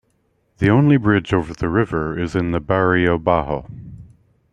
The only bridge over the river is in the Barrio Bajo.